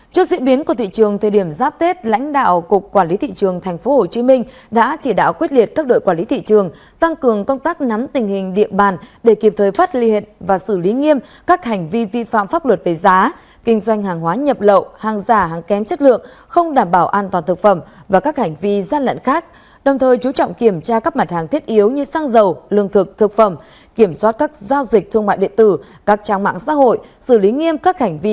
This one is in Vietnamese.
trước diễn biến của thị trường thời điểm giáp tết lãnh đạo cục quản lý thị trường tp hcm đã chỉ đạo quyết liệt các đội quản lý thị trường tăng cường công tác nắm tình hình địa bàn để kịp thời phát liệt và xử lý nghiêm các hành vi vi phạm pháp luật về giá kinh doanh hàng hóa nhập lậu hàng giả hàng kém chất lượng không đảm bảo an toàn thực phẩm và các hành vi gian lận khác đồng thời chú trọng kiểm tra các mặt hàng thiết yếu như xăng dầu lương thực thực phẩm kiểm soát các giao dịch thương mại điện tử các trang mạng xã hội